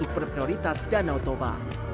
prioritas dan otoba